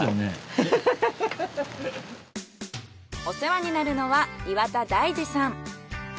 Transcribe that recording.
お世話になるのは岩田大二さん。